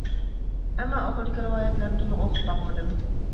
ئەمما ئۇ خىلدىكى رىۋايەتلەرنى تولۇق ئوقۇپ باقمىدىم.